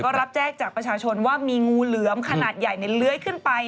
ก็รับแจ้งจากประชาชนว่ามีงูเหลือมขนาดใหญ่เลื้อยขึ้นไป